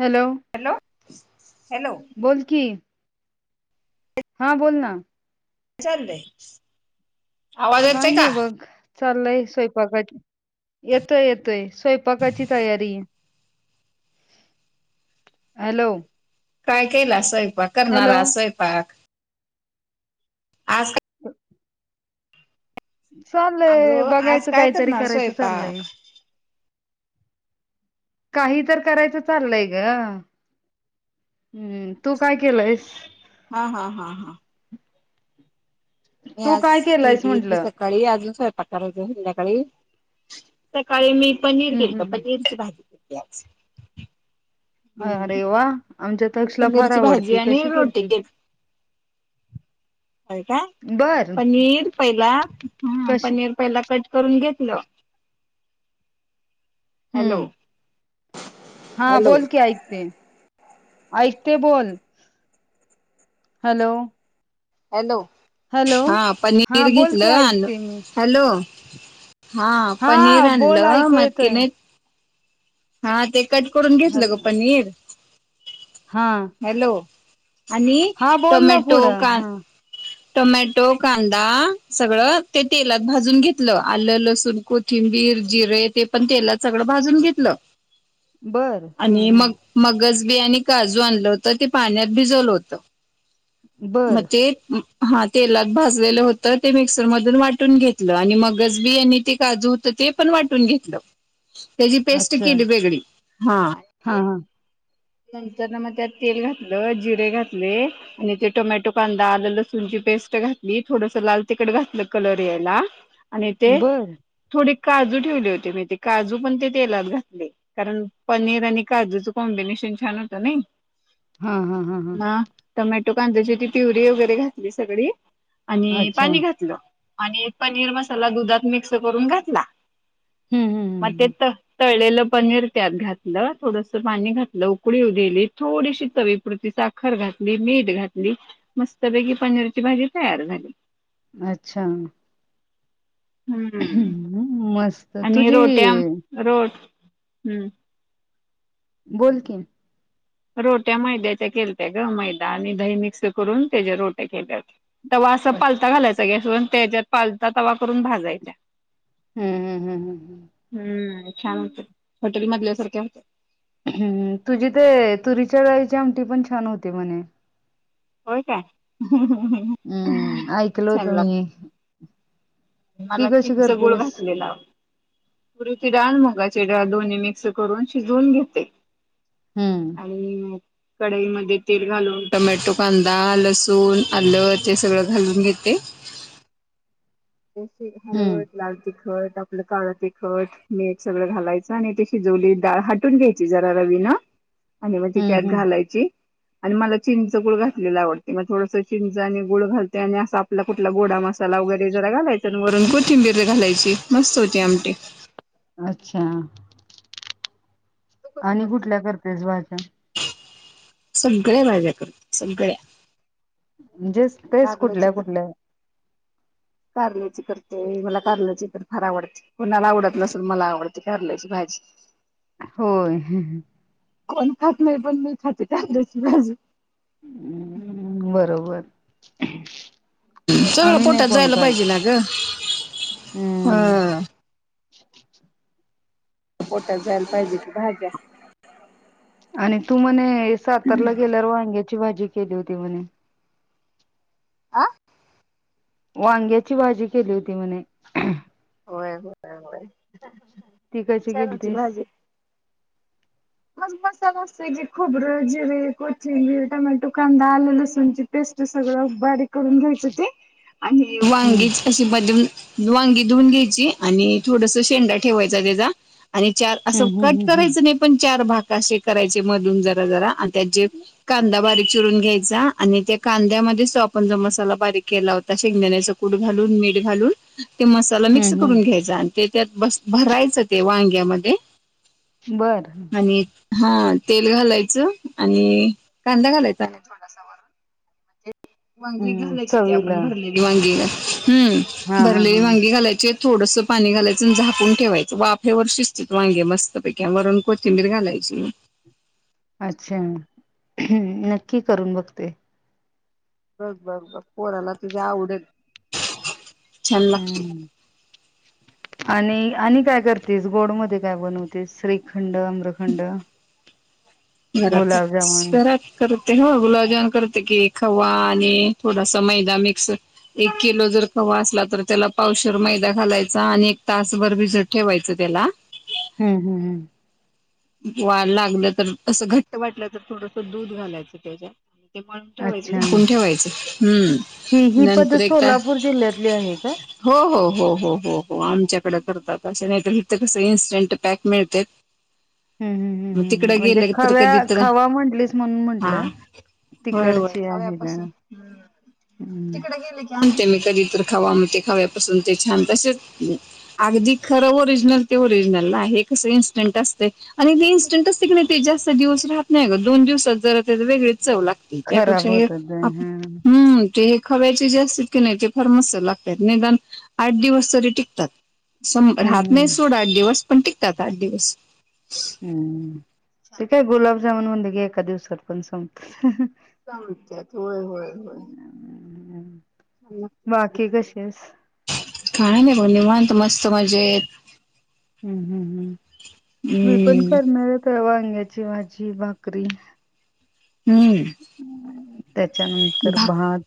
Hello. Hello hello बोल की. हा बोल ना. चालतय. आवाज यतोय का? चाललय स्वयंपाकाची -येतोय येतोय स्वयंपाकाची तयारी. [unintelligible] हॅलो. काय केला स्वयंपाक? करणार हॅलो आज स्वयंपाक? अस- हम चाललय. अगं आज बघायचं काय काहीतरी करणार करायचं चाललंय. स्वयंपाक काही तर करायचं चाललंय ग. हम्म. तू काय केलंयस? हा हा हा हा. म तू काय [unintelligible] केलंयस केली होती म्हंटलं सकाळी आजून- करायच संध्याकाळी. सकाळी मी पनीर हम्म हम्म केलंत. हम्म पनीरची भाजी केली. [unintelligible] अरे वा! आमच्या तक्षला फार पनीरची भाजी आवडती, आणि कशी रोटी केलिती? हो का? बर पनीर पहिला- ह. कशी पनीर पहिला कट करून घेत- ल. हॅलो. हम्म हा. हॅलो बोल की ऐकते. ऐकते बोल. हॅलो. हॅलो. हॅलो हा. हा पनीर बोल की घेतलं आन, ऐकते मी हॅलो. हा पनीर हा बोल आणलं. ऐकू मग की येतोय नाही - हा ते कट करून हॅल घेतलं ग पनीर. हा हॅलो. आणि हा बोल ना टोमॅटो, पुढं कान- हा टोमॅटो, कांदा सगळं ते तेलात भाजून घेतलं. आलं, लसूण, कोथिंबीर- जिरे तेपण तेलात सगळं भाजून घेतलं. बर हा आणि हा मग मगज - बी आणि काजू आणलं होतं. ते पाण्यात भिजवलं होतं. म बर जे हा तेलात भाजलेलं होतं ते मिक्सर मधून वाटून घेतलं आणि मगच बी यांनी ते काजूत- ते पण वाटून घेतलं. त्याची पेस्ट अच्छा केली वेगळी. हा. हा हा नंतर ना, मग त्यात तेल घातलं, जिरे घातले आणि ते- टोमॅटो कांदा आलं लसूणची पेस्ट घातली थोडस लाल तििकट घातलं कलर यायला आणि ते बर थोडी काजू ठेवले होते मी ते काजू पण ते तेलात घातले कारण पनीर आणि काजूच कॉम्बिनेशन छान होतं नाही हा हा हम हम मग टोमॅटो कांद्याची ती तिवरी वगैरे घातली सगळी आणि अच्छा पाणी हम्म घातलं आणि पनीर मसाला दुधात मिक्स करून घातला हम्म मग ते हम्म तळलेलं पनीर त्यात घातलं थोडस पाणी घातलं उकळी दिेली थोडीशी तवीपुरती साखर घातली मीठ घातली मस्तपैकी पनीरची भाजी तयार झाली अच्छा हम्म मस्त आणि तुझी रोट्याम रोट हम्म बोलकि रोट्या मैद्याच्या केलत्या ग मैदा आणि दही मिक्स करून त्याच्या रोट्या केल्यात तवा असा अच्छा पालता घालायचा गॅसवरून त्याच्यात पालता तवा करून भाजयचा हम्म हम्म हम्म हम्म छान होते हॉटेलमधल्यासारख्या होत्या हम् तुझी ते तुरीच्या डाळीची आमटी पण छान होती म्हणे होय काय हम्म ऐकल छान होतो मी लागत ती मला कशी खिंच गुळ करतेस घातलेलं पुरची डाळ मुगाची डाळ दोन्ही मिक्स करून शिजवून घेते हम्म आणि कढाईमध्ये तेल घालून टोमॅटो कांदा लसूण आलं ते सगळं घालून घेते [unintelligible] हम्म हळवद लावते तट आपलं काळ तिखट मीठ सगळं घालायचं आणि ते शिजवली डाळ हाटून घ्यायची जरा रवी आणि मग त त्यात हम्म हम्म घालायची आणि मला चिंच गुळ घातलेला आवडते मग थोडसं चिंच आणि गुळ घालते आणि असा आपला कुठला गोडा मत ला वैरे घालायचं वरून कोथिंबीर घालायची मस्त होती आमटी अच्छा कशी आणि करते कुठल्या करतेस भाच्या सगळ्या माझ्या करते सगळ्या म्हणजे तेच कारल्याची कुठल्या तर कुठल्या [unintelligible] कारल्याची करते मला कारल्याची तर फार आवडते कोणाला आवडत नसेल मला आवडते कारल्याची भाजी [inaudible] होय ह पण खात नाही पण मी खाते त्याची बाजू हम् बरोबर सगळं आम्ही नाही पोटात कोण जायला पाहिजे करत ना ग हम्म [inaudible] हा पोटात जायला पाहिजे की भाज्या आणि तू म्हणे सातारला गेल्यावर वांग्याची भाजी केली होती म्हणे आह वांग्याची भाजी केली होती म्हणे होय होयय ती कशी गेली तस म मसाला अस क खोबरं जिरे कोथिंबिर टमॅटो कांदा आलू लसूनणची पे सगळ बारीक करून घ्यायचं ते आणि हम्म वांगीच अ ब वांगी धुऊून घ्यायची आणि थोडस शेंडा ठेवायचा त्याचा आणि चार असं हम्म कट हम्म हम्म करायचं नाही पण चार भाग असे करायचे मधून जरा जरा त्याचे कांदा बारीक चिरून घ्यायचा आणि त्या कांद्यामध्ये तो आपण जो मसाला बारीक केला होता. शेंगदाण्याचा कूड घालून मीठ घालून ते मसाला मिक्स हम्म हम्म करून हम्म घ्यायचा. आणि ते त्यात भरायचं ते वांग्या मध्ये. बरं! आणि हा तेल घालायचं. आणि कांदा घालायचा. वांगी हम्म घालायची. ती आपण चवीला भरलेली वांगी हा हम्म हा भरलेली हा वांगी घालायची. थोडस पाणी घालायचं झाकुन ठेवायंच वाफेवर शिस्तीत वांगे मस्त पैकी वरून कोथिंबीर घालायची. [unintelligible] अच्छा! नक्की करून बघत. बस बर ब पोराला तुझ्या आवडेल. छान! लागतेय. हम्म आणि आणि काय? करतेस गोड मध्ये काय बनवतेस. श्रीख श्रीखंड, अम्रखंड घरात [unintelligible] ते हो गुलाब जामन करते, कि खवा आणि थोडासा मैदा मिक्स एक किलो जर ख असला तर त्याला पावशवर मैदा घालायचा. आणि एक तासभर भिजत ठेवायचं. त्याला हम्म हम्म हम्म! [unintelligible] लागलं, तर असं घट्ट वाटलं तर थोडस दूध घालायचं त्याच्यात. [unintelligible] ठेवायचं अच्छा झाकुन ठेवायचं. ही हम्म! ही नंतर पद्धत एकदा सोलापूर जिल्ह्यातली आहे का? हो हो. हो हो हो हो आमच्याकडे करतात. [unintelligible] इथ कसं इन्स्टंट पॅक मिळतेत. हम्म हम्म म हम्म हम्म तिकडं म्हणजे गेलं एक तर कधी, खव्या तर खवा म्हटलीस म्हणून हा म्हंटलं होय, तिकडची आहे का? खव्यापासून [unintelligible] हम्म तिकडे गेले. की आ कधी तर खावा म खपासून ते छान! तसेचं अगदी खरं ओरिजनल ते ओ [unintelligible] कसं इन्संट असतं. आणि ते इन्स्टंटच असते की, नाही ते जास्त दिवस राहत नाही गं. दोन दिवसात जर वेगळे चव लागतय. त्यापेक्षा खराब हे होतात ते आप हा हम्म! ते खव्याची [unintelligible] नाही ते फार मस्त लागतात. निदान आठ दिवस तरी टिकतात. स राहत नाही, हम्म सोड आठ दिवस पण टिकतात. आठ दिवस. हम्म! ते काय गुलाबजामन म्हणलं, कि एका दिवसात पण संपतं. [unintelligible] होय होय होय. छान लागतात बाकी कशी येस? काय नाही, ब निवांत मस्त मजेत. हम् हम् हम् मी पण हम्म करणार [unintelligible] शेंग्याची भाजी, भाकरी हम्म त्याच्यानंतर भा भात.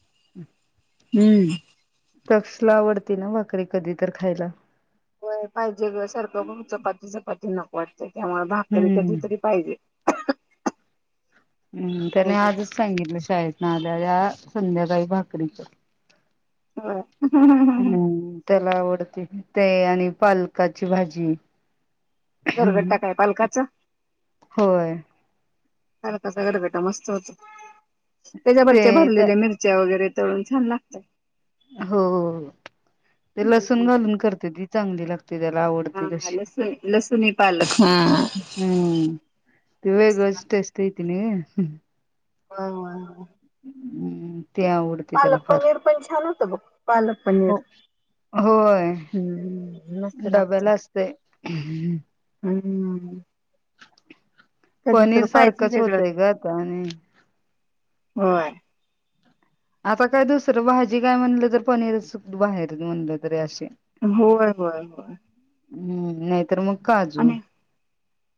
हम्म! तक्ष ला आवडती ना, भाकरी कधी तर खायला. हो, पाहिजे गं सारखं चपाती चपाती नको वाटतंय. आम्हाला भाकरी कधी, हम्म तरी पाहिजे. हम्म! त्याने पाहिजेच आजच सांगितलें, शाळेतनं आल्या आल्या. संध्याकाळी भाकरीचं होय हम्म! त्याला आवडत ते आणि पालकाची भाजी. घरघट्टा काय पालकाचा? होय पालकाचा गरगट्टा मस्त होतो. ते त्याच्यावरती भरलेल्या मिरच्या वगैरे तळून छान! लागतयं. हो, ते लसूण हम्म घालून करते. ती चांगली लागते. त्याला, आवडते हा कशी लसूण लसुणी पालक हा. हम्म! विगळचं टेस्ट येती नाइ. हा ह. हम्म ते आवडते त्याला फार पनीर पण छान होतं बघ पालक पनीर. हो होय हम्म मस्त लागतय डब्याला असत हम्म कधी पनीर तर पाहिजे सारखंच वेगळं होतय ग आता आणि होय आता काय दुसरं भाजी काय म्हणलं तर पनीर बाहेर म्हणलं तरी अशी होय होय होय हम्म नाहीतर मग काजू आणि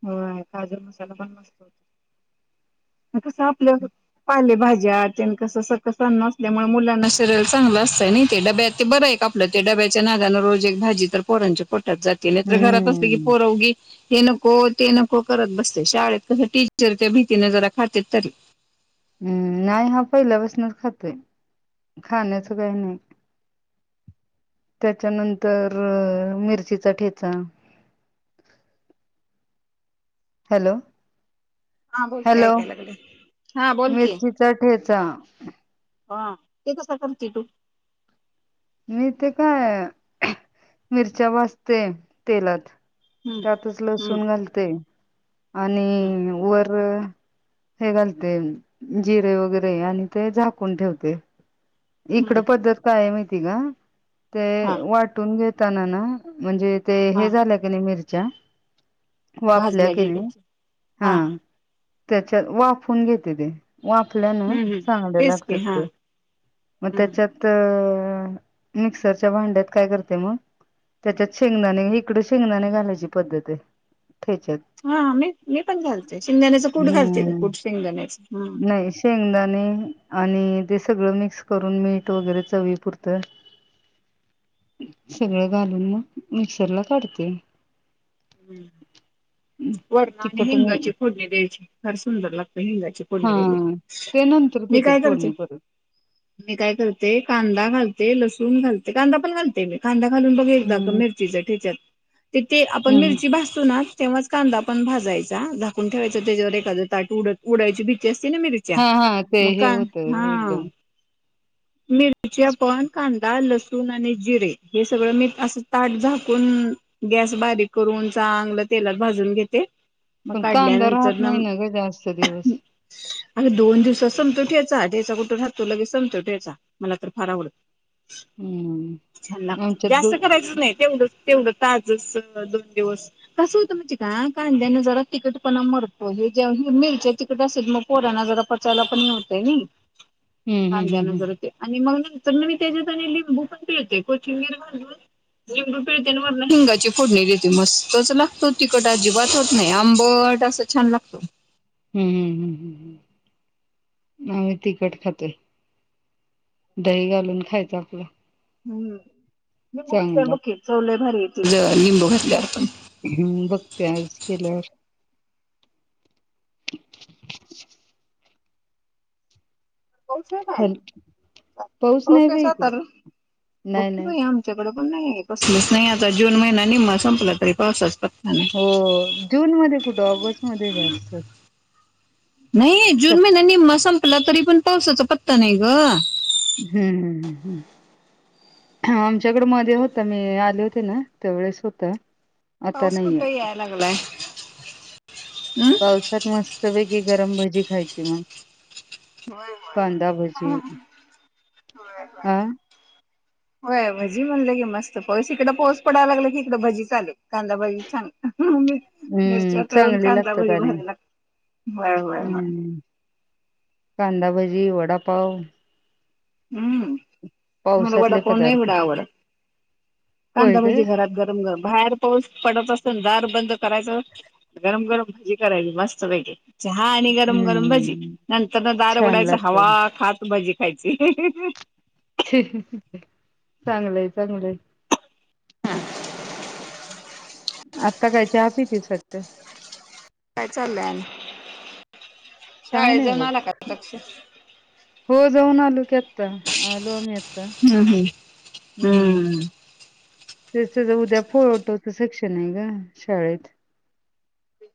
होय काजू मसाला पण मस्त होत कस आपल्या पाले भाजी मुलांना शरी चलं अस डब्या आप रोज भाजी तर पोरांच्या पोटाते घरात अस हम्म. कीोरी को ते नको करत बसते शाळेत कसं टीचर त्या भीतीने जरा खातात तरी हम्म नाही हा पहिल्यापासूनच खातोय खाण्याचं काही नाही त्याच्यानंतर मिरचीचा ठेचा हॅलो हा बोल की हॅलो ऐकाय लागले. हा बोल की मिरचीचा ठेचा हा तेेत सखमचीटू मी ते काय मिरच्या भजते तेलात हम्म त्यातच हम्म लसूण घालते हम्म आणि वर हे घालते जिरे वगैरे आणि ते झाकून ठेवते इकड हम्म पद्धत काय माहिती का ते हा वाटून घेत ताना ना म्हणजे ते हे हा झालं की नाही मिरच्या वाफल्या भाजल्या की गेल्या नाही हा त्याच्यात वाफून घेते ते वाफल्यान हम्म चांगड तेच लागत की हा ते मग हम्म त्याच्यात मिक्सरच्या भांड्यात काय करते मग त्याच्यात शेंगदाने इकड शेंगदाने घालायची पद्धत आहे त्या्याच्यात हा मी मी पण घालते शिंगदाण्याचा कूठ घालते हम्म कूठ शिंगदाण्याच हा नाही शेंगदाणे आणि ते सगळं मिक्स करून मीठ वगैरे चवी पुुरतं सगळं घालून मग मिक्सरला काढते हम्म वरणाने तिखट मी हिंगाची फोडणी द्यायची फार सुंदर लागत हिंगाची फोडणी दिली च कथ फोनणी परत मी काय करते कांदा घालते लसूण घालते कांदा पण घालते मी कांदा घालून बघ एकदा हम्म मिरचीच ठच्याते आपण हम्म मिरची भासतो ना तेव्हा कांदा पण भाजायचा झाकून ठेवायचा त्याच्यावर एखादा ताट उडत उडायची भ तेस्ती ना मिीरच्या हा हा ते हे मका होतं हा एकदम मिर्च पवन कांदा लस तून आणि जिरे हे सगळं मी अस ताट झाकून गॅस बारीक करून चांगलं तेला ून घेते मग पण कांदा काढल्यानंतर राहत ना नाही ग जास्त दिवस अगे दोन दिवस समतो ठेयचा ठ्यायचा कुठून राहतो लगे समतो ठेयचा मला तर फार आवडत हम्म छ आमच्यात दो जास्त करायचंच नाही तेवढंच तेवढं ताजस दोन दिवस कस हो कांद्याना जरा तिकीट पणा मरतो ज मिल तिकट असेल मग पोरना जरा पणतय हम्म हम्म कांद्या न हम्म जर ते म तर मग मी त्याच्यात लि भू पण पळते कोचिंग वगैरे लिंबडू पिळते मर हिंगाची फोडणी देते मस्तचला तो तिकट अजिबात होत नाही आंबट असं छान लागतो हम्म हम्म हम् हम् ह आम्ही तिखट खातो दही घालून खायचं आपलं हम्म लिंबू घातल्या बघकी चवले भारी त लिंबू घातल्यावर पण हम् बघते आज केल्यावर [inaudible] होश हल पाऊस नाही आहेशस बाई [unintelligible] इकडं तर बग नाही की नाही बई आमच्याकडे पण नाही कसलंच नाही आता जून महिना निम्मा संपला तरी पावसाच प हो जून मध्ये कुठं ऑगस्ट मध्ये जास्त नाही जून सप महिन्या निम्मा संपला तरी पण पावसाचा पत्ता नाही ग हम्म हम्म हम्म हम्म आमच्याकडे मध्ये होत मी आले होते ना त्या वळेस होता. आता पाऊस नाहीये कुठं याया लागलाय. हम्म. पावसात मस्त पैकी गरम भजी खायची मग होय कांदा होय भजी होय हा होय भजी म्हणलं की मस्त पऊस इकडं पाऊस पडाया लागला की इकडे भजी चालू कांदा भाजी छान हम्म मिरच्या तळून चांगली कांदा लागतात भजी आणि भराय लागते बर बर बर कांदाभजी वडापाव हम्म मला पावसातले वडापाव नाही पदार्थ एवढा आवडत होय कांदा काय? भजे घरात गरम गरम बाहेर पाऊस पडत असत दार बंद करायचं गरम गरम भजी करायची मस्त पैकीे चहा आणि गरम गरम भजी हम्म नंतर न दार छान उघडायच हवा लागतात खात भजी [inaudible] चांगलंय चांगलंय हम आत्ता काय चहा पीतीस वाटतं काय चाललंय काय शाळेत नाही जाऊन बघ आला का तक्ष हो जाऊन आलो की आत्ता आलो आम्ही आत्ता हम्म हम्म हम्म ते त्याच उद्या फोर टू चं शिक्षण आहे ग शाळेत ह